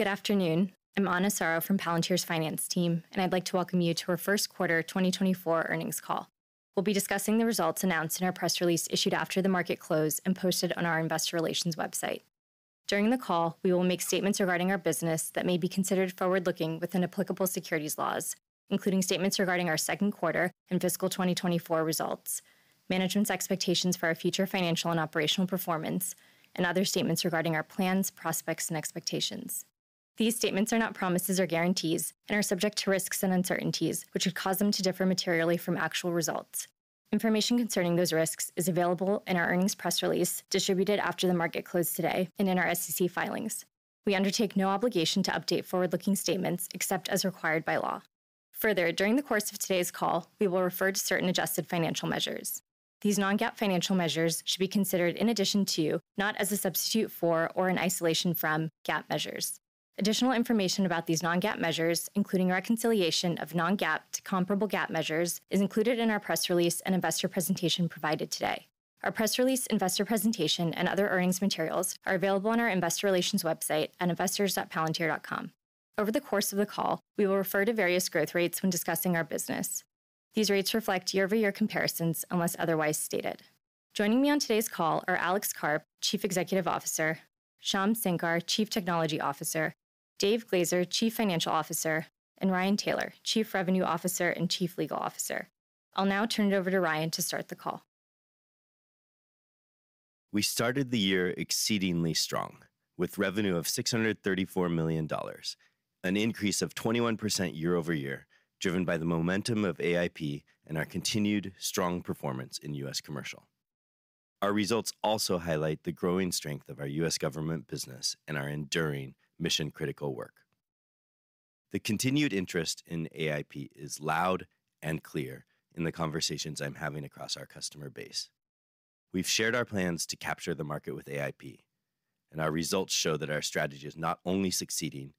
Good afternoon. I'm Ana Soro from Palantir's finance team, and I'd like to welcome you to our first quarter 2024 earnings call. We'll be discussing the results announced in our press release issued after the market closed and posted on our investor relations website. During the call, we will make statements regarding our business that may be considered forward-looking within applicable securities laws, including statements regarding our second quarter and fiscal 2024 results, management's expectations for our future financial and operational performance, and other statements regarding our plans, prospects, and expectations. These statements are not promises or guarantees and are subject to risks and uncertainties, which could cause them to differ materially from actual results. Information concerning those risks is available in our earnings press release distributed after the market closed today and in our SEC filings. We undertake no obligation to update forward-looking statements except as required by law. Further, during the course of today's call, we will refer to certain adjusted financial measures. These non-GAAP financial measures should be considered in addition to, not as a substitute for or in isolation from, GAAP measures. Additional information about these non-GAAP measures, including reconciliation of non-GAAP to comparable GAAP measures, is included in our press release and investor presentation provided today. Our press release, investor presentation, and other earnings materials are available on our investor relations website at investors.palantir.com. Over the course of the call, we will refer to various growth rates when discussing our business. These rates reflect year-over-year comparisons unless otherwise stated. Joining me on today's call are Alex Karp, Chief Executive Officer, Shyam Sankar, Chief Technology Officer, Dave Glazer, Chief Financial Officer, and Ryan Taylor, Chief Revenue Officer and Chief Legal Officer. I'll now turn it over to Ryan to start the call. We started the year exceedingly strong, with revenue of $634 million, an increase of 21% year-over-year driven by the momentum of AIP and our continued strong performance in U.S. commercial. Our results also highlight the growing strength of our U.S. government business and our enduring mission-critical work. The continued interest in AIP is loud and clear in the conversations I'm having across our customer base. We've shared our plans to capture the market with AIP, and our results show that our strategy is not only succeeding.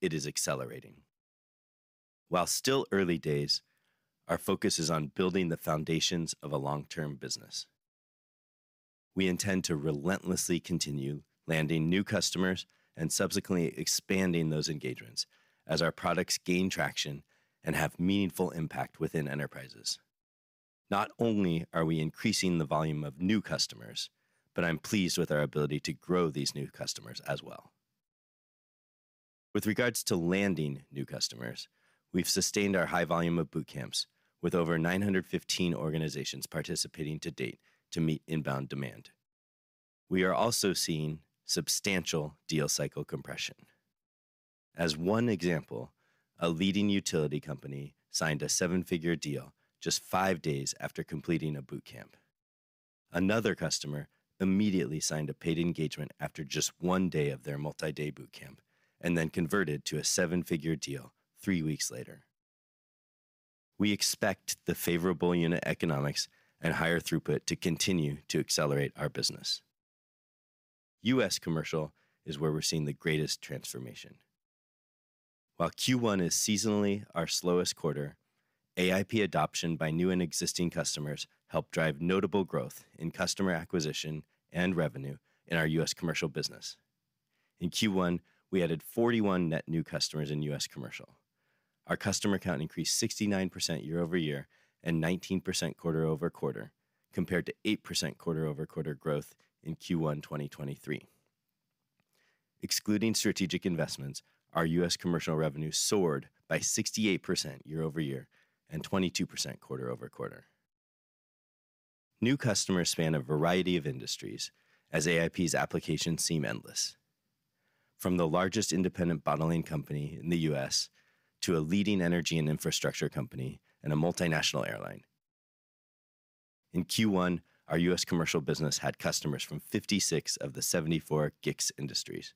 It is accelerating. While still early days, our focus is on building the foundations of a long-term business. We intend to relentlessly continue landing new customers and subsequently expanding those engagements as our products gain traction and have meaningful impact within enterprises. Not only are we increasing the volume of new customers, but I'm pleased with our ability to grow these new customers as well. With regards to landing new customers, we've sustained our high volume of Boot Camps, with over 915 organizations participating to date to meet inbound demand. We are also seeing substantial deal cycle compression. As one example, a leading utility company signed a seven-figure deal just five days after completing a Boot Camp. Another customer immediately signed a paid engagement after just one day of their multi-day Boot Camp and then converted to a seven-figure deal three weeks later. We expect the favorable unit economics and higher throughput to continue to accelerate our business. U.S. commercial is where we're seeing the greatest transformation. While Q1 is seasonally our slowest quarter, AIP adoption by new and existing customers helped drive notable growth in customer acquisition and revenue in our U.S. commercial business. In Q1, we added 41 net new customers in U.S. commercial. Our customer count increased 69% year-over-year and 19% quarter-over-quarter, compared to 8% quarter-over-quarter growth in Q1 2023. Excluding strategic investments, our U.S. commercial revenue soared by 68% year-over-year and 22% quarter-over-quarter. New customers span a variety of industries as AIP's applications seem endless, from the largest independent bottling company in the U.S. to a leading energy and infrastructure company and a multinational airline. In Q1, our U.S. commercial business had customers from 56 of the 74 GICS industries.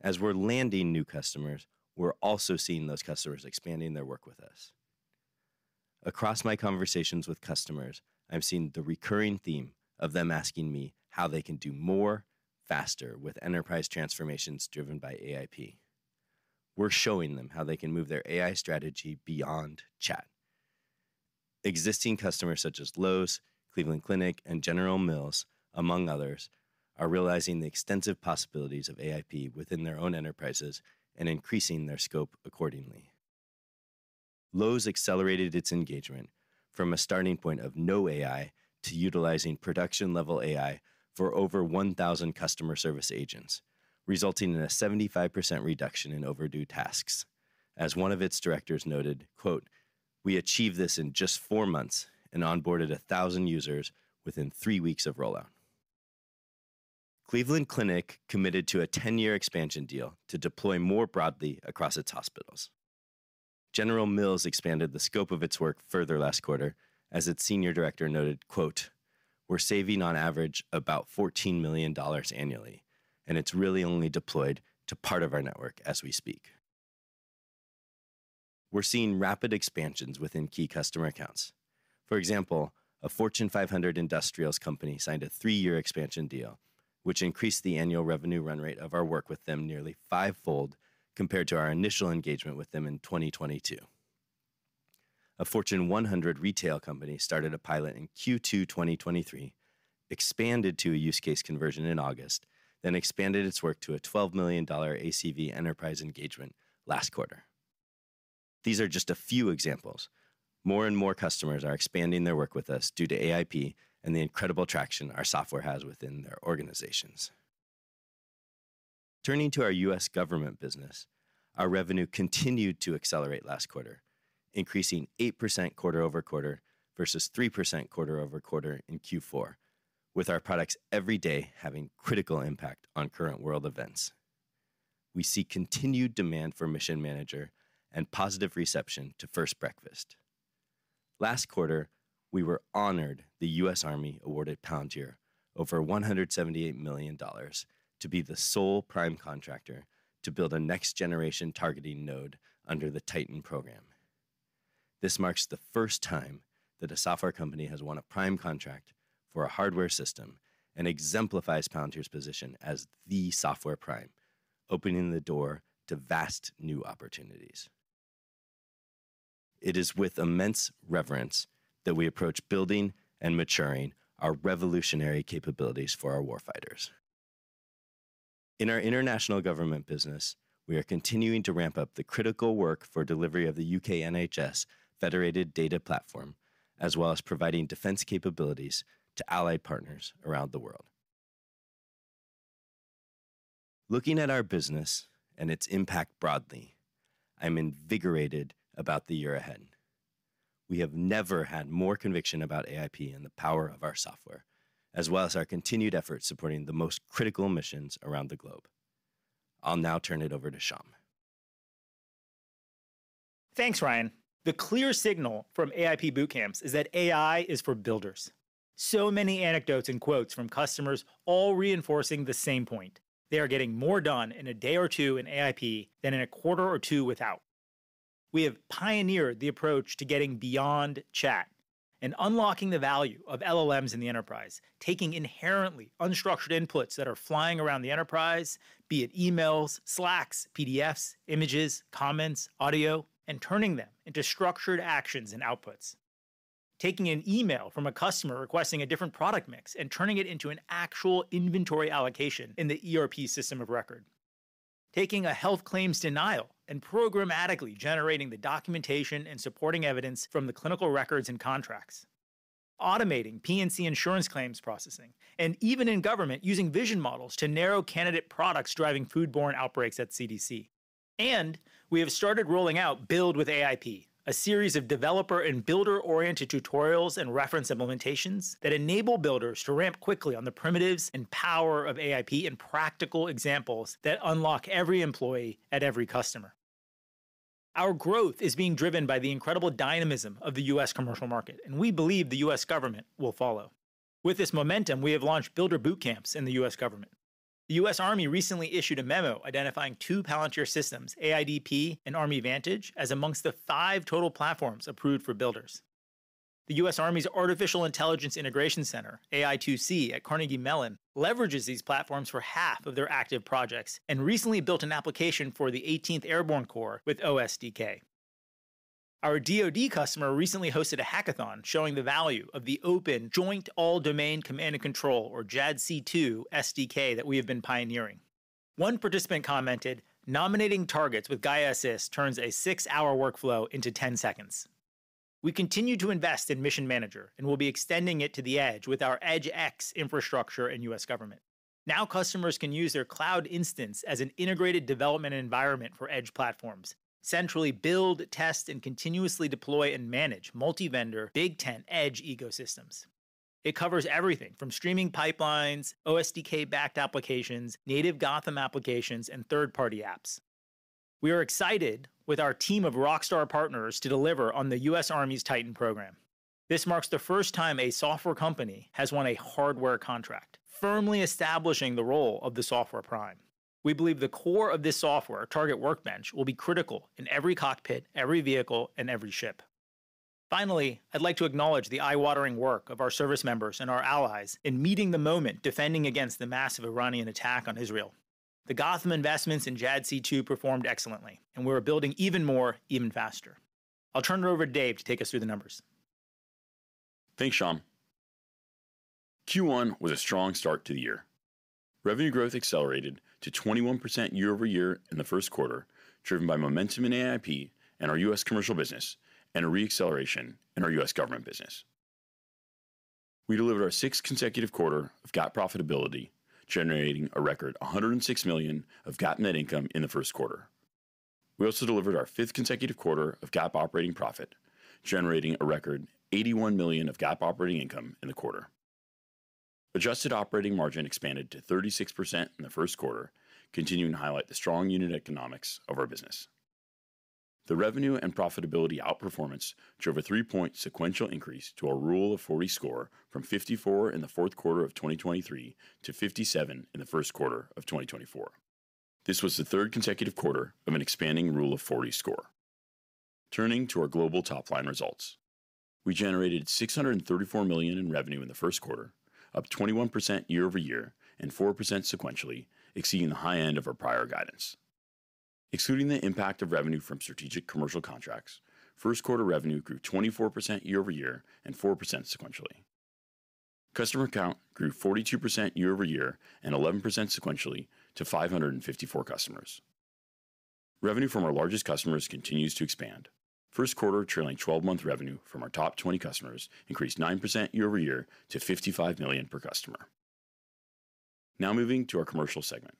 As we're landing new customers, we're also seeing those customers expanding their work with us. Across my conversations with customers, I'm seeing the recurring theme of them asking me how they can do more, faster, with enterprise transformations driven by AIP. We're showing them how they can move their AI strategy beyond chat. Existing customers such as Lowe's, Cleveland Clinic, and General Mills, among others, are realizing the extensive possibilities of AIP within their own enterprises and increasing their scope accordingly. Lowe's accelerated its engagement from a starting point of no AI to utilizing production-level AI for over 1,000 customer service agents, resulting in a 75% reduction in overdue tasks. As one of its directors noted, "We achieved this in just four months and onboarded 1,000 users within three weeks of rollout." Cleveland Clinic committed to a 10-year expansion deal to deploy more broadly across its hospitals. General Mills expanded the scope of its work further last quarter, as its senior director noted, "We're saving, on average, about $14 million annually, and it's really only deployed to part of our network as we speak." We're seeing rapid expansions within key customer accounts. For example, a Fortune 500 industrials company signed a three-year expansion deal, which increased the annual revenue run rate of our work with them nearly five-fold compared to our initial engagement with them in 2022. A Fortune 100 retail company started a pilot in Q2 2023, expanded to a use case conversion in August, then expanded its work to a $12 million ACV enterprise engagement last quarter. These are just a few examples. More and more customers are expanding their work with us due to AIP and the incredible traction our software has within their organizations. Turning to our U.S. government business, our revenue continued to accelerate last quarter, increasing 8% quarter-over-quarter versus 3% quarter-over-quarter in Q4, with our products every day having critical impact on current world events. We see continued demand for Mission Manager and positive reception to First Breakfast. Last quarter, we were honored the U.S. Army awarded Palantir over $178 million to be the sole prime contractor to build a next-generation targeting node under the TITAN program. This marks the first time that a software company has won a prime contract for a hardware system and exemplifies Palantir's position as the software prime, opening the door to vast new opportunities. It is with immense reverence that we approach building and maturing our revolutionary capabilities for our warfighters. In our international government business, we are continuing to ramp up the critical work for delivery of the U.K. NHS federated data platform, as well as providing defense capabilities to allied partners around the world. Looking at our business and its impact broadly, I'm invigorated about the year ahead. We have never had more conviction about AIP and the power of our software, as well as our continued efforts supporting the most critical missions around the globe. I'll now turn it over to Shyam. Thanks, Ryan. The clear signal from AIP boot camps is that AI is for builders. So many anecdotes and quotes from customers all reinforcing the same point: they are getting more done in a day or two in AIP than in a quarter or two without. We have pioneered the approach to getting beyond chat and unlocking the value of LLMs in the enterprise, taking inherently unstructured inputs that are flying around the enterprise, be it emails, Slacks, PDFs, images, comments, audio, and turning them into structured actions and outputs. Taking an email from a customer requesting a different product mix and turning it into an actual inventory allocation in the ERP system of record. Taking a health claims denial and programmatically generating the documentation and supporting evidence from the clinical records and contracts. Automating P&C insurance claims processing, and even in government, using vision models to narrow candidate products driving foodborne outbreaks at CDC. We have started rolling out Build with AIP, a series of developer and builder-oriented tutorials and reference implementations that enable builders to ramp quickly on the primitives and power of AIP in practical examples that unlock every employee at every customer. Our growth is being driven by the incredible dynamism of the U.S. commercial market, and we believe the U.S. government will follow. With this momentum, we have launched builder boot camps in the U.S. government. The U.S. Army recently issued a memo identifying two Palantir systems, AIDP and Army Vantage, as among the five total platforms approved for builders. The U.S. Army's Artificial Intelligence Integration Center, AI2C, at Carnegie Mellon leverages these platforms for half of their active projects and recently built an application for the 18th Airborne Corps with OSDK. Our DoD customer recently hosted a hackathon showing the value of the Open Joint All-Domain Command and Control, or JADC2, SDK that we have been pioneering. One participant commented, "Nominating targets with Gaia Assist turns a six-hour workflow into 10 seconds." We continue to invest in Mission Manager and will be extending it to the edge with our Edge AI infrastructure in U.S. government. Now customers can use their cloud instance as an integrated development environment for edge platforms, centrally build, test, and continuously deploy and manage multi-vendor, big tent edge ecosystems. It covers everything from streaming pipelines, OSDK-backed applications, native Gotham applications, and third-party apps. We are excited with our team of Rockstar Partners to deliver on the U.S. Army's TITAN program. This marks the first time a software company has won a hardware contract, firmly establishing the role of the software prime. We believe the core of this software, Target Workbench, will be critical in every cockpit, every vehicle, and every ship. Finally, I'd like to acknowledge the eye-watering work of our service members and our allies in meeting the moment defending against the massive Iranian attack on Israel. The Gotham investments in JADC2 performed excellently, and we're building even more, even faster. I'll turn it over to Dave to take us through the numbers. Thanks, Shyam. Q1 was a strong start to the year. Revenue growth accelerated to 21% year-over-year in the first quarter, driven by momentum in AIP and our U.S. commercial business, and a reacceleration in our U.S. government business. We delivered our sixth consecutive quarter of GAAP profitability, generating a record $106 million of GAAP net income in the first quarter. We also delivered our fifth consecutive quarter of GAAP operating profit, generating a record $81 million of GAAP operating income in the quarter. Adjusted operating margin expanded to 36% in the first quarter, continuing to highlight the strong unit economics of our business. The revenue and profitability outperformance drove a three-point sequential increase to our rule of 40 score from 54 in the fourth quarter of 2023 to 57 in the first quarter of 2024. This was the third consecutive quarter of an expanding rule of 40 score. Turning to our global top-line results. We generated $634 million in revenue in the first quarter, up 21% year-over-year and 4% sequentially, exceeding the high end of our prior guidance. Excluding the impact of revenue from strategic commercial contracts, first-quarter revenue grew 24% year-over-year and 4% sequentially. Customer count grew 42% year-over-year and 11% sequentially to 554 customers. Revenue from our largest customers continues to expand. First quarter trailing 12-month revenue from our top 20 customers increased 9% year-over-year to $55 million per customer. Now moving to our commercial segment.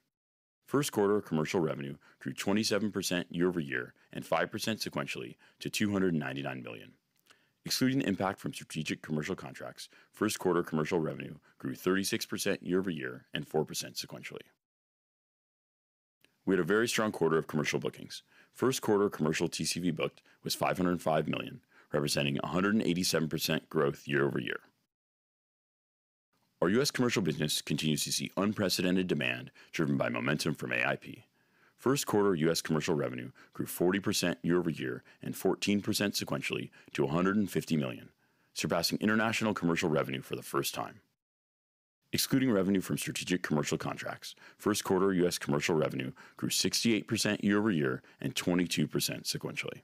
First quarter commercial revenue grew 27% year-over-year and 5% sequentially to $299 million. Excluding the impact from strategic commercial contracts, first quarter commercial revenue grew 36% year-over-year and 4% sequentially. We had a very strong quarter of commercial bookings. First quarter commercial TCV booked was $505 million, representing 187% growth year-over-year. Our U.S. commercial business continues to see unprecedented demand driven by momentum from AIP. First quarter U.S. commercial revenue grew 40% year-over-year and 14% sequentially to $150 million, surpassing international commercial revenue for the first time. Excluding revenue from strategic commercial contracts, first quarter U.S. commercial revenue grew 68% year-over-year and 22% sequentially.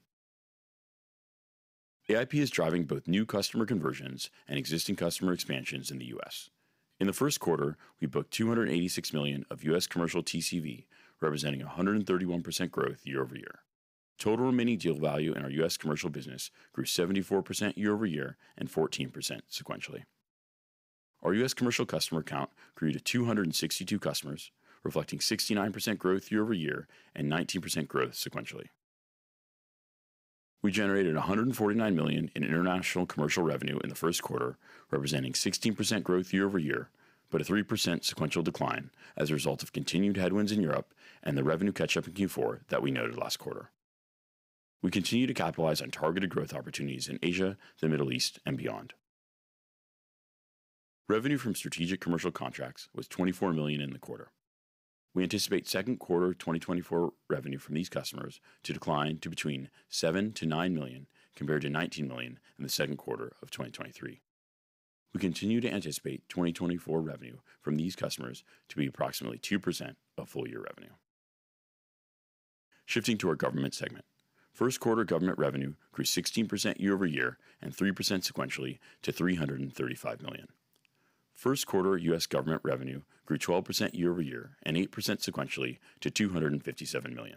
AIP is driving both new customer conversions and existing customer expansions in the U.S. In the first quarter, we booked $286 million of U.S. commercial TCV, representing 131% growth year-over-year. Total remaining deal value in our U.S. commercial business grew 74% year-over-year and 14% sequentially. Our U.S. commercial customer count grew to 262 customers, reflecting 69% growth year-over-year and 19% growth sequentially. We generated $149 million in international commercial revenue in the first quarter, representing 16% growth year-over-year, but a 3% sequential decline as a result of continued headwinds in Europe and the revenue catch-up in Q4 that we noted last quarter. We continue to capitalize on targeted growth opportunities in Asia, the Middle East, and beyond. Revenue from strategic commercial contracts was $24 million in the quarter. We anticipate second quarter 2024 revenue from these customers to decline to between $7-$9 million compared to $19 million in the second quarter of 2023. We continue to anticipate 2024 revenue from these customers to be approximately 2% of full-year revenue. Shifting to our government segment. First quarter government revenue grew 16% year-over-year and 3% sequentially to $335 million. First quarter U.S. government revenue grew 12% year-over-year and 8% sequentially to $257 million.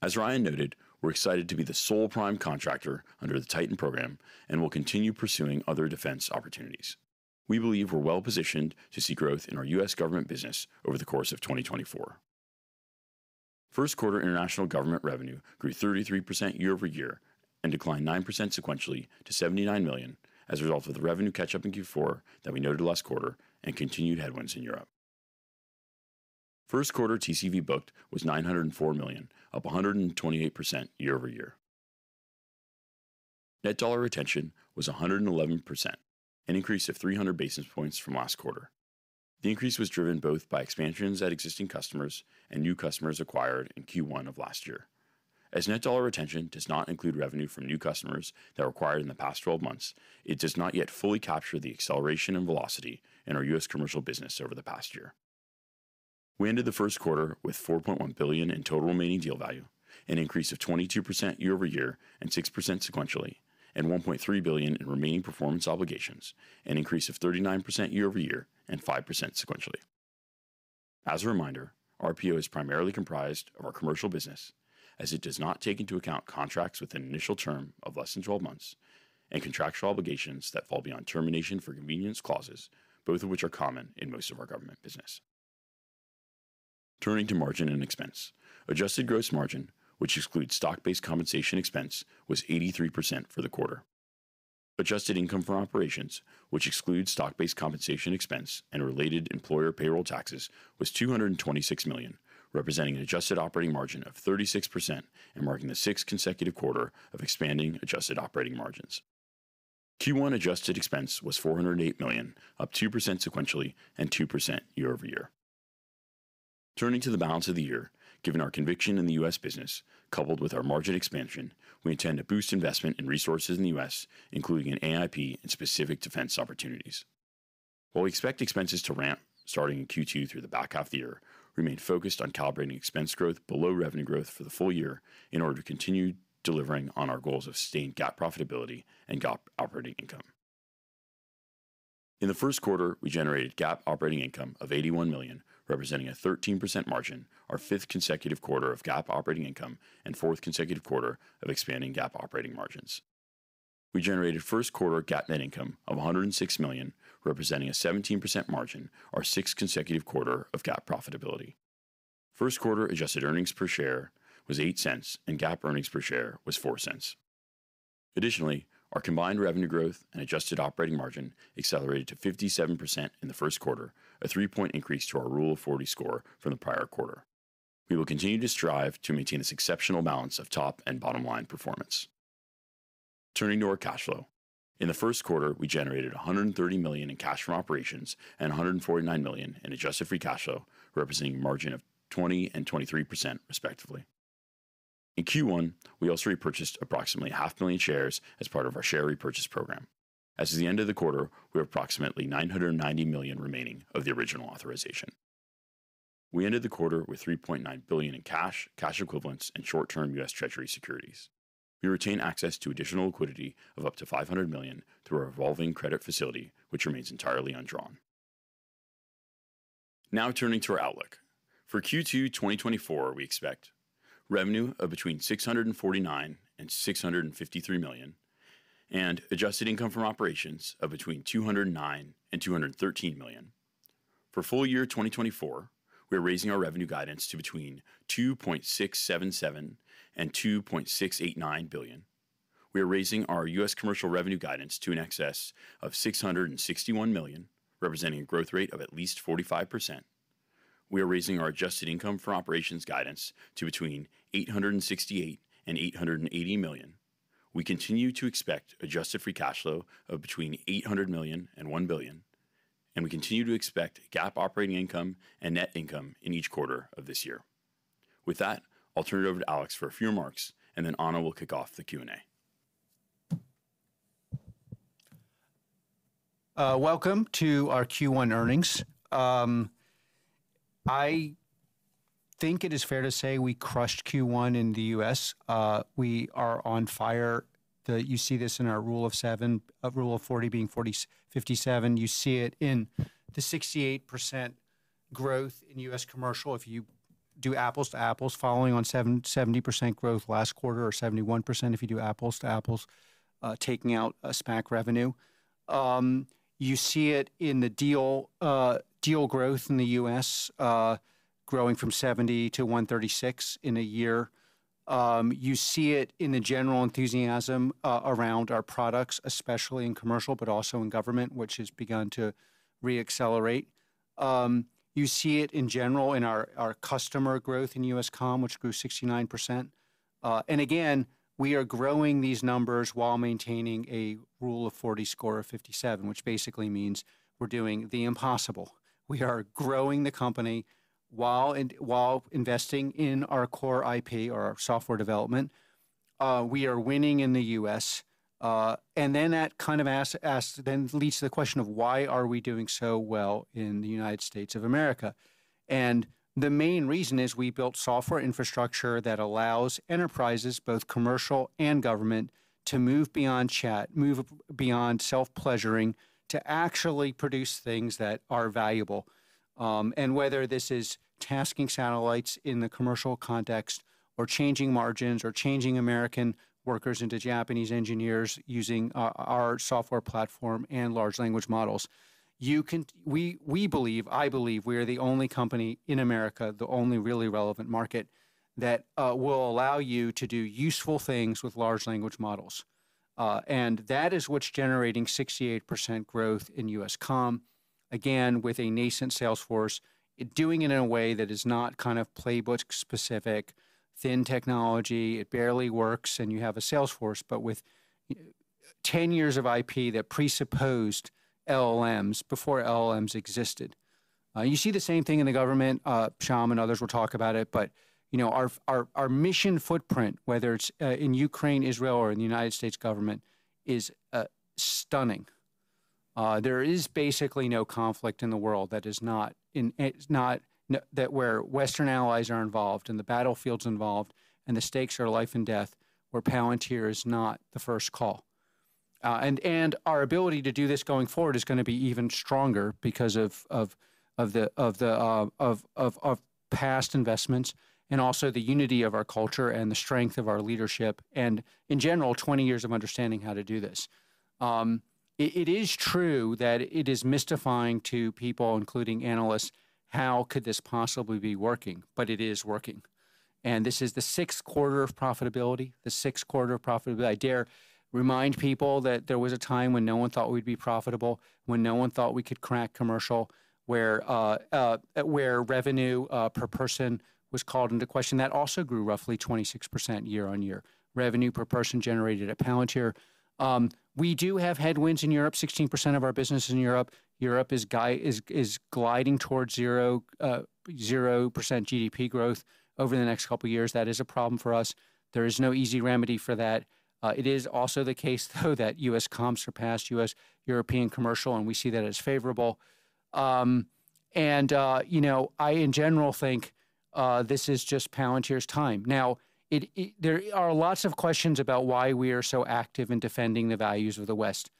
As Ryan noted, we're excited to be the sole prime contractor under the TITAN program and will continue pursuing other defense opportunities. We believe we're well-positioned to see growth in our U.S. government business over the course of 2024. First quarter international government revenue grew 33% year-over-year and declined 9% sequentially to $79 million as a result of the revenue catch-up in Q4 that we noted last quarter and continued headwinds in Europe. First quarter TCV booked was $904 million, up 128% year-over-year. Net dollar retention was 111%, an increase of 300 basis points from last quarter. The increase was driven both by expansions at existing customers and new customers acquired in Q1 of last year. As net dollar retention does not include revenue from new customers that were acquired in the past 12 months, it does not yet fully capture the acceleration and velocity in our U.S. commercial business over the past year. We ended the first quarter with $4.1 billion in total remaining deal value, an increase of 22% year-over-year and 6% sequentially, and $1.3 billion in remaining performance obligations, an increase of 39% year-over-year and 5% sequentially. As a reminder, RPO is primarily comprised of our commercial business, as it does not take into account contracts with an initial term of less than 12 months and contractual obligations that fall beyond termination for convenience clauses, both of which are common in most of our government business. Turning to margin and expense. Adjusted gross margin, which excludes stock-based compensation expense, was 83% for the quarter. Adjusted income from operations, which excludes stock-based compensation expense and related employer payroll taxes, was $226 million, representing an adjusted operating margin of 36% and marking the sixth consecutive quarter of expanding adjusted operating margins. Q1 adjusted expense was $408 million, up 2% sequentially and 2% year-over-year. Turning to the balance of the year, given our conviction in the U.S. business, coupled with our margin expansion, we intend to boost investment in resources in the U.S., including in AIP and specific defense opportunities. While we expect expenses to ramp starting in Q2 through the back half of the year, remain focused on calibrating expense growth below revenue growth for the full year in order to continue delivering on our goals of sustained GAAP profitability and GAAP operating income. In the first quarter, we generated GAAP operating income of $81 million, representing a 13% margin, our fifth consecutive quarter of GAAP operating income and fourth consecutive quarter of expanding GAAP operating margins. We generated first quarter GAAP net income of $106 million, representing a 17% margin, our sixth consecutive quarter of GAAP profitability. First quarter adjusted earnings per share was $0.08 and GAAP earnings per share was $0.04. Additionally, our combined revenue growth and adjusted operating margin accelerated to 57% in the first quarter, a three-point increase to our Rule of 40 score from the prior quarter. We will continue to strive to maintain this exceptional balance of top and bottom-line performance. Turning to our cash flow. In the first quarter, we generated $130 million in cash from operations and $149 million in adjusted free cash flow, representing a margin of 20% and 23%, respectively. In Q1, we also repurchased approximately 500,000 shares as part of our share repurchase program. As of the end of the quarter, we have approximately $990 million remaining of the original authorization. We ended the quarter with $3.9 billion in cash, cash equivalents, and short-term U.S. Treasury securities. We retain access to additional liquidity of up to $500 million through our evolving credit facility, which remains entirely undrawn. Now turning to our outlook. For Q2 2024, we expect: Revenue of between $649 million and $653 million and adjusted income from operations of between $209 million and $213 million. For full year 2024, we are raising our revenue guidance to between $2.677 billion and $2.689 billion. We are raising our U.S. commercial revenue guidance to an excess of $661 million, representing a growth rate of at least 45%. We are raising our adjusted income from operations guidance to between $868 million and $880 million. We continue to expect adjusted free cash flow of between $800 million and $1 billion. We continue to expect GAAP operating income and net income in each quarter of this year. With that, I'll turn it over to Alex for a few remarks, and then Ana will kick off the Q&A. Welcome to our Q1 earnings. I think it is fair to say we crushed Q1 in the U.S. We are on fire. You see this in our Rule of seven, Rule of 40 being 57. You see it in the 68% growth in U.S. commercial if you do apples to apples, following on 70% growth last quarter or 71% if you do apples to apples, taking out SPAC revenue. You see it in the deal growth in the U.S., growing from 70 to 136 in a year. You see it in the general enthusiasm around our products, especially in commercial, but also in government, which has begun to reaccelerate. You see it in general in our customer growth in U.S. com, which grew 69%. And again, we are growing these numbers while maintaining a Rule of 40 score of 57, which basically means we're doing the impossible. We are growing the company while investing in our core IP, our software development. We are winning in the U.S. And then that kind of leads to the question of why are we doing so well in the United States of America? And the main reason is we built software infrastructure that allows enterprises, both commercial and government, to move beyond chat, move beyond self-pleasuring, to actually produce things that are valuable. And whether this is tasking satellites in the commercial context or changing margins or changing American workers into Japanese engineers using our software platform and large language models, we believe, I believe, we are the only company in America, the only really relevant market that will allow you to do useful things with large language models. And that is what's generating 68% growth in U.S. Comm, again, with a nascent sales force, doing it in a way that is not kind of playbook-specific, thin technology. It barely works and you have a sales force, but with 10 years of IP that presupposed LLMs before LLMs existed. You see the same thing in the government. Shyam and others will talk about it, but our mission footprint, whether it's in Ukraine, Israel, or in the United States government, is stunning. There is basically no conflict in the world that is not where Western allies are involved and the battlefields involved and the stakes are life and death, where Palantir is not the first call. And our ability to do this going forward is going to be even stronger because of the past investments and also the unity of our culture and the strength of our leadership and, in general, 20 years of understanding how to do this. It is true that it is mystifying to people, including analysts, how could this possibly be working, but it is working. This is the sixth quarter of profitability, the sixth quarter of profitability. I dare remind people that there was a time when no one thought we'd be profitable, when no one thought we could crack commercial, where revenue per person was called into question. That also grew roughly 26% year-over-year, revenue per person generated at Palantir. We do have headwinds in Europe, 16% of our business in Europe. Europe is gliding towards 0% GDP growth over the next couple of years. That is a problem for us. There is no easy remedy for that. It is also the case, though, that U.S. commercial surpassed U.S. European commercial, and we see that as favorable. I, in general, think this is just Palantir's time. Now, there are lots of questions about why we are so active in defending the values of the West.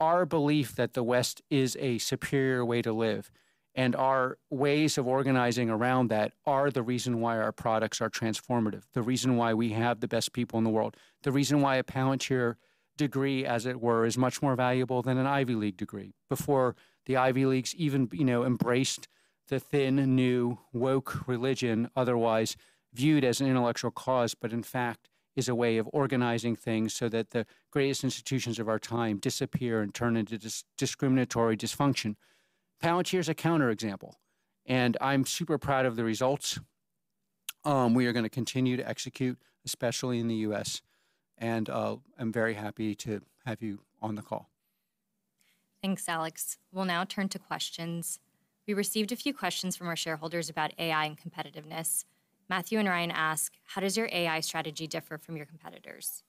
Our belief that the West is a superior way to live and our ways of organizing around that are the reason why our products are transformative, the reason why we have the best people in the world, the reason why a Palantir degree, as it were, is much more valuable than an Ivy League degree. Before, the Ivy Leagues even embraced the thin, new, woke religion otherwise viewed as an intellectual cause, but in fact is a way of organizing things so that the greatest institutions of our time disappear and turn into discriminatory dysfunction. Palantir is a counterexample, and I'm super proud of the results. We are going to continue to execute, especially in the U.S., and I'm very happy to have you on the call. Thanks, Alex. We'll now turn to questions. We received a few questions from our shareholders about AI and competitiveness. Matthew and Ryan ask, how does your AI strategy differ from your competitors?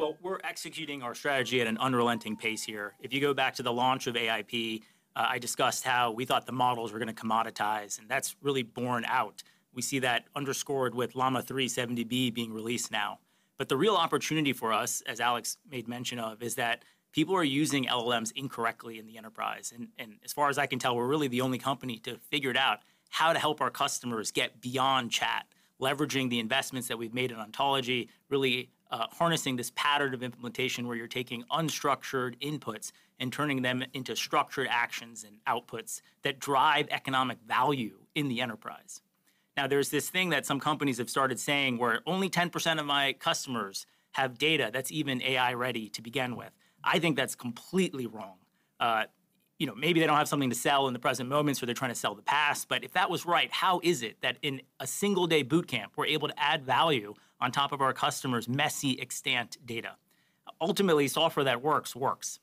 Well, we're executing our strategy at an unrelenting pace here. If you go back to the launch of AIP, I discussed how we thought the models were going to commoditize, and that's really borne out. We see that underscored with Llama 3 70B being released now. But the real opportunity for us, as Alex made mention of, is that people are using LLMs incorrectly in the enterprise. And as far as I can tell, we're really the only company to figure it out, how to help our customers get beyond chat, leveraging the investments that we've made in ontology, really harnessing this pattern of implementation where you're taking unstructured inputs and turning them into structured actions and outputs that drive economic value in the enterprise. Now, there's this thing that some companies have started saying where only 10% of my customers have data that's even AI-ready to begin with. I think that's completely wrong. Maybe they don't have something to sell in the present moments, or they're trying to sell the past. But if that was right, how is it that in a single-day Boot Camp we're able to add value on top of our customer's messy extant data? Ultimately, software that works, works.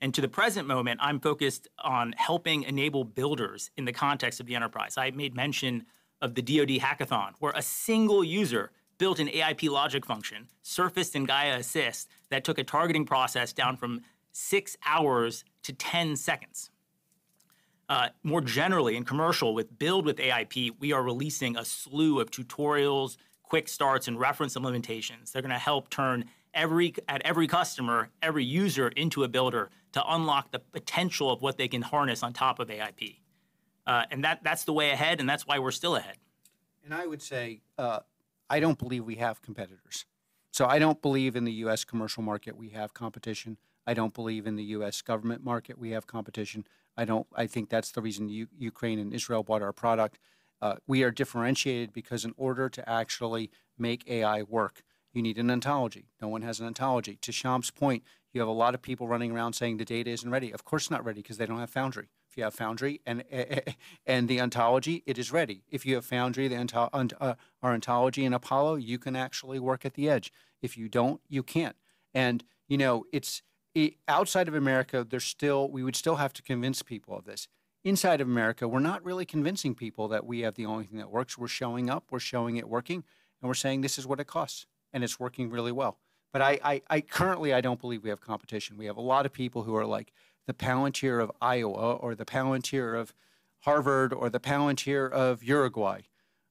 And to the present moment, I'm focused on helping enable builders in the context of the enterprise. I made mention of the DoD Hackathon, where a single user built an AIP logic function, surfaced in Gaia Assist, that took a targeting process down from six hours to 10 seconds. More generally, in commercial, with Build with AIP, we are releasing a slew of tutorials, quick starts, and reference implementations that are going to help turn every customer, every user, into a builder to unlock the potential of what they can harness on top of AIP. And that's the way ahead, and that's why we're still ahead. I would say I don't believe we have competitors. So I don't believe in the U.S. commercial market we have competition. I don't believe in the U.S. government market we have competition. I think that's the reason Ukraine and Israel bought our product. We are differentiated because in order to actually make AI work, you need an ontology. No one has an ontology. To Shyam's point, you have a lot of people running around saying the data isn't ready. Of course, not ready because they don't have Foundry. If you have Foundry and the ontology, it is ready. If you have Foundry, our ontology, and Apollo, you can actually work at the edge. If you don't, you can't. And outside of America, we would still have to convince people of this. Inside of America, we're not really convincing people that we have the only thing that works. We're showing up, we're showing it working, and we're saying this is what it costs, and it's working really well. But currently, I don't believe we have competition. We have a lot of people who are like the Palantir of Iowa or the Palantir of Harvard or the Palantir of Uruguay,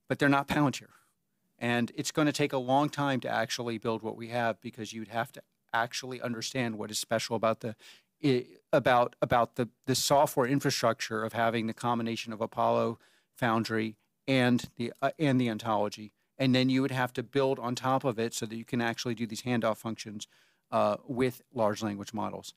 but they're not Palantir. And it's going to take a long time to actually build what we have because you'd have to actually understand what is special about the software infrastructure of having the combination of Apollo, Foundry, and the ontology. And then you would have to build on top of it so that you can actually do these handoff functions with large language models.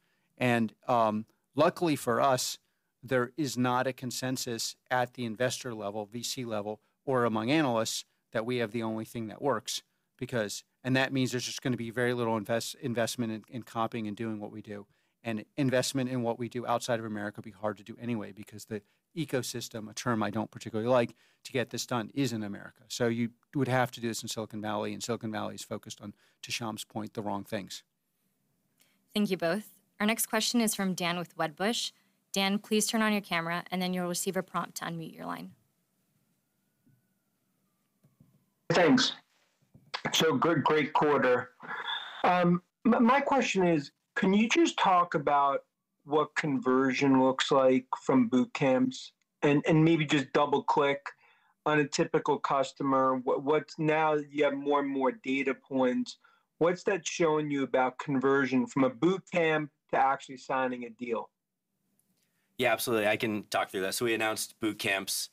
Luckily for us, there is not a consensus at the investor level, VC level, or among analysts that we have the only thing that works because and that means there's just going to be very little investment in copying and doing what we do. Investment in what we do outside of America would be hard to do anyway because the ecosystem, a term I don't particularly like, to get this done is in America. So you would have to do this in Silicon Valley, and Silicon Valley is focused on, to Shyam's point, the wrong things. Thank you both. Our next question is from Dan with Wedbush. Dan, please turn on your camera, and then you'll receive a prompt to unmute your line. Thanks. So, great, great quarter. My question is, can you just talk about what conversion looks like from boot camps? And maybe just double-click on a typical customer. Now you have more and more data points. What's that showing you about conversion from a boot camp to actually signing a deal? Yeah, absolutely. I can talk through that. So we announced Boot Camps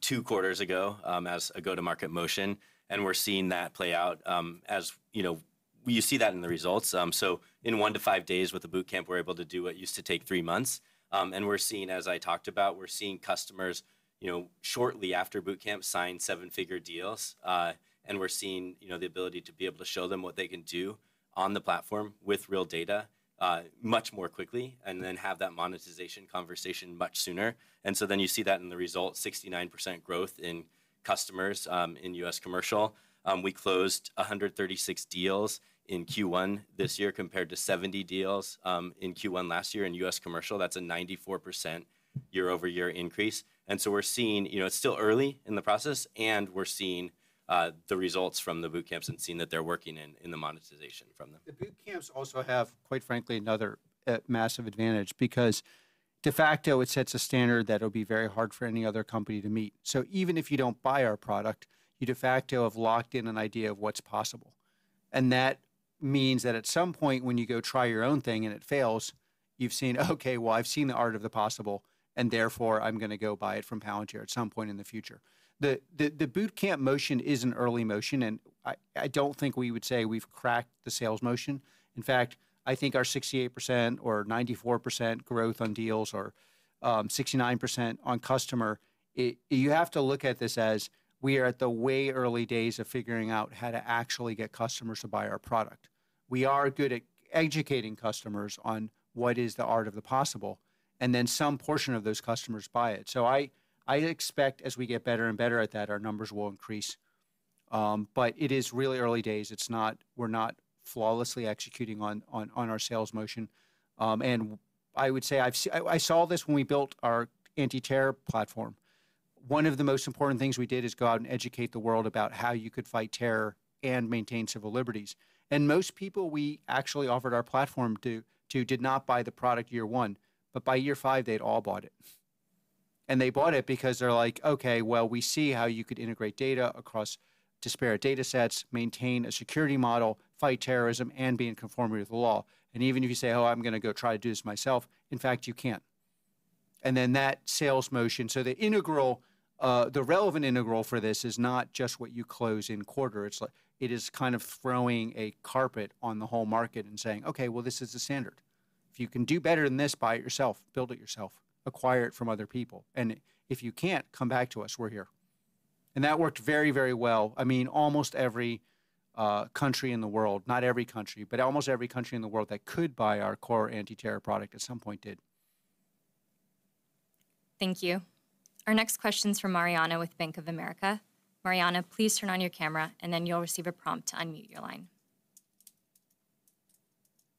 two quarters ago as a go-to-market motion, and we're seeing that play out as you see that in the results. So in one-five days with a Boot Camp, we're able to do what used to take three months. And we're seeing, as I talked about, we're seeing customers shortly after Boot Camp sign seven-figure deals. And we're seeing the ability to be able to show them what they can do on the platform with real data much more quickly and then have that monetization conversation much sooner. And so then you see that in the results, 69% growth in customers in U.S. commercial. We closed 136 deals in Q1 this year compared to 70 deals in Q1 last year in U.S. commercial. That's a 94% year-over-year increase. And so we're seeing it's still early in the process, and we're seeing the results from the boot camps and seeing that they're working in the monetization from them. The boot camps also have, quite frankly, another massive advantage because de facto, it sets a standard that will be very hard for any other company to meet. So even if you don't buy our product, you de facto have locked in an idea of what's possible. And that means that at some point, when you go try your own thing and it fails, you've seen, "Okay, well, I've seen the art of the possible, and therefore I'm going to go buy it from Palantir at some point in the future." The boot camp motion is an early motion, and I don't think we would say we've cracked the sales motion. In fact, I think our 68% or 94% growth on deals or 69% on customer. You have to look at this as we are at the way early days of figuring out how to actually get customers to buy our product. We are good at educating customers on what is the art of the possible, and then some portion of those customers buy it. So I expect, as we get better and better at that, our numbers will increase. But it is really early days. We're not flawlessly executing on our sales motion. I would say I saw this when we built our anti-terror platform. One of the most important things we did is go out and educate the world about how you could fight terror and maintain civil liberties. And most people we actually offered our platform to did not buy the product year one, but by year five, they'd all bought it. And they bought it because they're like, "Okay, well, we see how you could integrate data across disparate data sets, maintain a security model, fight terrorism, and be in conformity with the law." And even if you say, "Oh, I'm going to go try to do this myself," in fact, you can't. And then that sales motion, so the relevant integral for this is not just what you close in quarter. It is kind of throwing a carpet on the whole market and saying, "Okay, well, this is the standard. If you can do better than this by itself, build it yourself, acquire it from other people. And if you can't, come back to us. We're here." And that worked very, very well. I mean, almost every country in the world, not every country, but almost every country in the world that could buy our core anti-terror product at some point did. Thank you. Our next question is from Mariana with Bank of America. Mariana, please turn on your camera, and then you'll receive a prompt to unmute your line.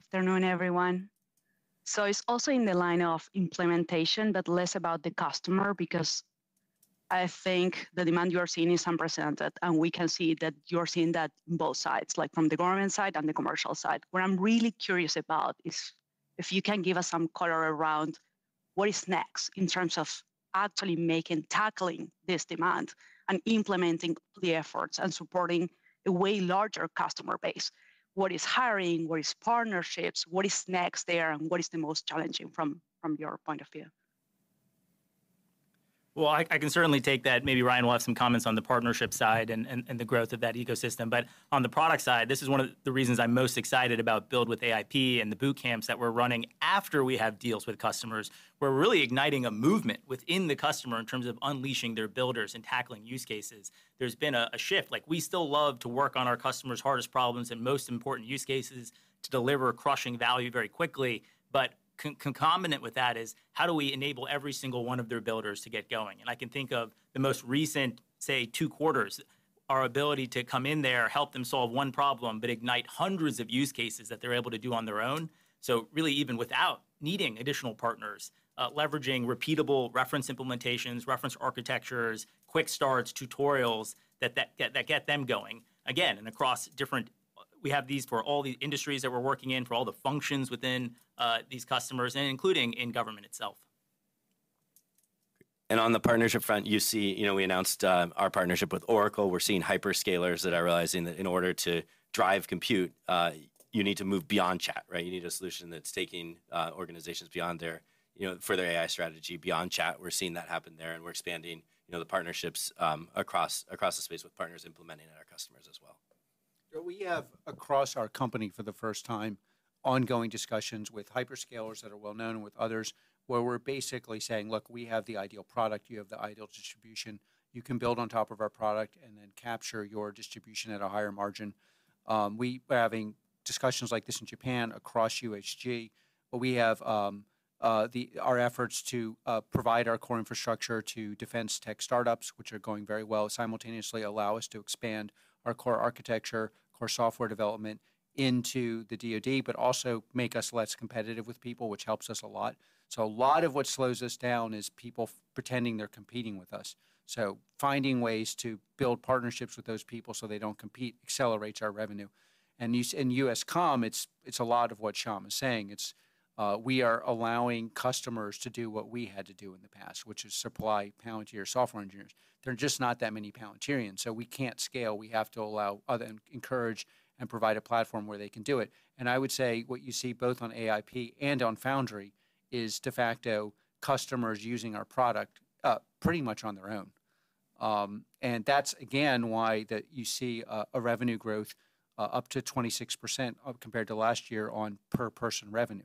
If they're knowing everyone. So it's also in the line of implementation, but less about the customer because I think the demand you are seeing is unprecedented, and we can see that you are seeing that in both sides, like from the government side and the commercial side. What I'm really curious about is if you can give us some color around what is next in terms of actually making, tackling this demand, and implementing the efforts and supporting a way larger customer base. What is hiring, what is partnerships, what is next there, and what is the most challenging from your point of view? Well, I can certainly take that. Maybe Ryan will have some comments on the partnership side and the growth of that ecosystem. But on the product side, this is one of the reasons I'm most excited about Build with AIP and the boot camps that we're running after we have deals with customers. We're really igniting a movement within the customer in terms of unleashing their builders and tackling use cases. There's been a shift. We still love to work on our customers' hardest problems and most important use cases to deliver crushing value very quickly. But concomitant with that is how do we enable every single one of their builders to get going? And I can think of the most recent, say, two quarters, our ability to come in there, help them solve one problem, but ignite hundreds of use cases that they're able to do on their own. So really, even without needing additional partners, leveraging repeatable reference implementations, reference architectures, quick starts, tutorials that get them going, again, and across different we have these for all the industries that we're working in, for all the functions within these customers, including in government itself. And on the partnership front, you see we announced our partnership with Oracle. We're seeing hyperscalers that are realizing that in order to drive compute, you need to move beyond chat, right? You need a solution that's taking organizations beyond their for their AI strategy, beyond chat. We're seeing that happen there, and we're expanding the partnerships across the space with partners implementing at our customers as well. We have, across our company for the first time, ongoing discussions with hyperscalers that are well known and with others where we're basically saying, "Look, we have the ideal product. You have the ideal distribution. You can build on top of our product and then capture your distribution at a higher margin." We're having discussions like this in Japan across UHG, but we have our efforts to provide our core infrastructure to defense tech startups, which are going very well, simultaneously allow us to expand our core architecture, core software development into the DoD, but also make us less competitive with people, which helps us a lot. So a lot of what slows us down is people pretending they're competing with us. So finding ways to build partnerships with those people so they don't compete accelerates our revenue. And in U.S. Comm, it's a lot of what Shyam is saying. We are allowing customers to do what we had to do in the past, which is supply Palantir software engineers. There are just not that many Palantirians, so we can't scale. We have to allow, encourage, and provide a platform where they can do it. And I would say what you see both on AIP and on Foundry is de facto customers using our product pretty much on their own. And that's, again, why that you see a revenue growth up to 26% compared to last year on per-person revenue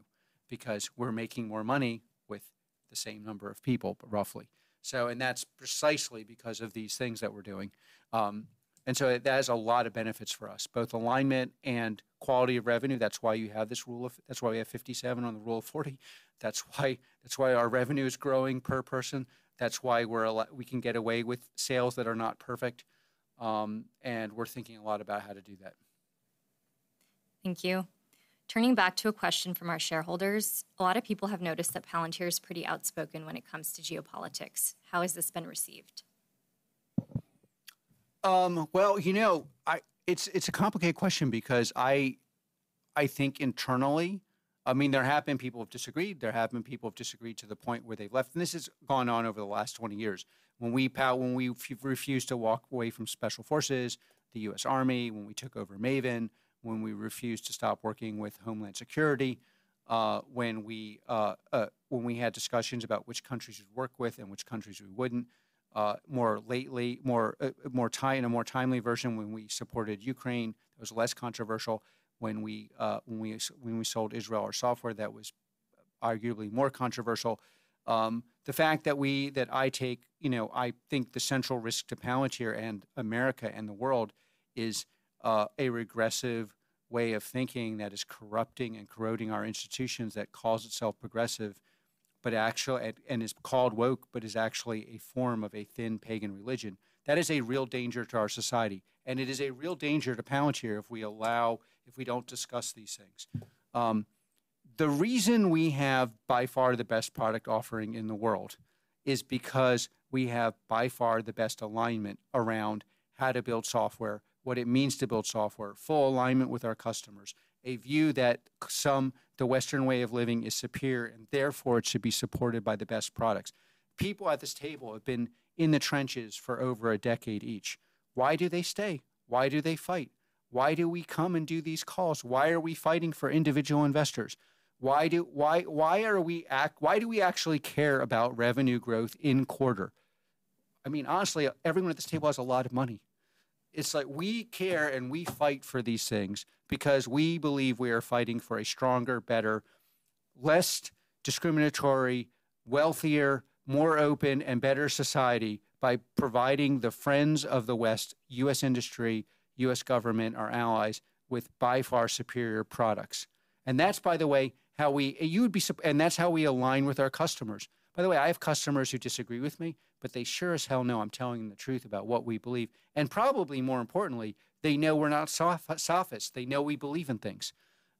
because we're making more money with the same number of people, but roughly. And that's precisely because of these things that we're doing. And so that has a lot of benefits for us, both alignment and quality of revenue. That's why you have this rule of that's why we have 57 on the rule of 40. That's why our revenue is growing per person. That's why we can get away with sales that are not perfect. We're thinking a lot about how to do that. Thank you. Turning back to a question from our shareholders, a lot of people have noticed that Palantir is pretty outspoken when it comes to geopolitics. How has this been received? Well, it's a complicated question because I think internally, I mean, there have been people who have disagreed. There have been people who have disagreed to the point where they've left, and this has gone on over the last 20 years. When we refused to walk away from special forces, the U.S. Army, when we took over Maven, when we refused to stop working with Homeland Security, when we had discussions about which countries we'd work with and which countries we wouldn't, more lately, in a more timely version, when we supported Ukraine, that was less controversial. When we sold Israel our software, that was arguably more controversial. The fact that I think the central risk to Palantir and America and the world is a regressive way of thinking that is corrupting and corroding our institutions, that calls itself progressive and is called woke, but is actually a form of a thin pagan religion. That is a real danger to our society, and it is a real danger to Palantir if we don't discuss these things. The reason we have by far the best product offering in the world is because we have by far the best alignment around how to build software, what it means to build software, full alignment with our customers, a view that the Western way of living is superior, and therefore it should be supported by the best products. People at this table have been in the trenches for over a decade each. Why do they stay? Why do they fight? Why do we come and do these calls? Why are we fighting for individual investors? Why do we actually care about revenue growth in quarter? I mean, honestly, everyone at this table has a lot of money. It's like we care and we fight for these things because we believe we are fighting for a stronger, better, less discriminatory, wealthier, more open, and better society by providing the friends of the West, U.S. industry, U.S. government, our allies, with by far superior products. And that's, by the way, how we and that's how we align with our customers. By the way, I have customers who disagree with me, but they sure as hell know I'm telling them the truth about what we believe. And probably more importantly, they know we're not sophists. They know we believe in things.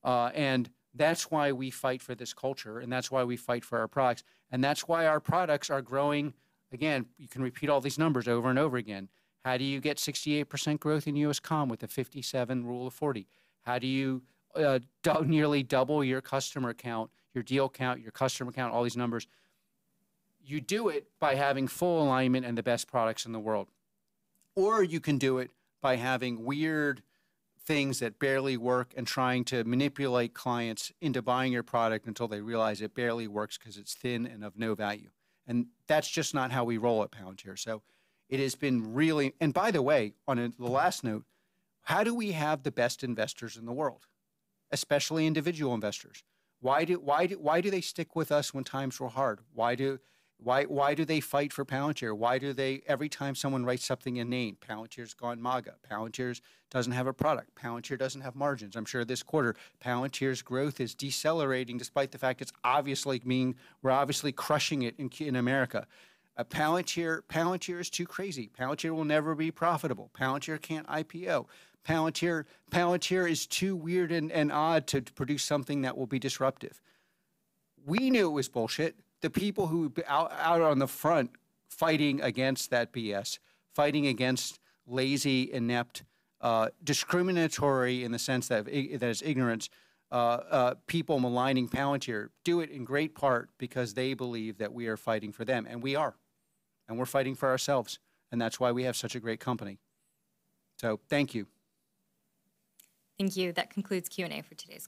That's why we fight for this culture, and that's why we fight for our products. That's why our products are growing. Again, you can repeat all these numbers over and over again. How do you get 68% growth in U.S. Comm with the 57 Rule of 40? How do you nearly double your customer count, your deal count, your customer count, all these numbers? You do it by having full alignment and the best products in the world. Or you can do it by having weird things that barely work and trying to manipulate clients into buying your product until they realize it barely works because it's thin and of no value. That's just not how we roll at Palantir. So it has been really, and by the way, on the last note, how do we have the best investors in the world, especially individual investors? Why do they stick with us when times were hard? Why do they fight for Palantir? Why do they every time someone writes something in name, Palantir's gone MAGA, Palantir doesn't have a product, Palantir doesn't have margins? I'm sure this quarter, Palantir's growth is decelerating despite the fact it's obviously, I mean, we're obviously crushing it in America. Palantir is too crazy. Palantir will never be profitable. Palantir can't IPO. Palantir is too weird and odd to produce something that will be disruptive. We knew it was bullshit. The people who are out on the front fighting against that BS, fighting against lazy, inept, discriminatory in the sense that is ignorance, people maligning Palantir do it in great part because they believe that we are fighting for them, and we are. And we're fighting for ourselves, and that's why we have such a great company. So thank you. Thank you. That concludes Q&A for today's.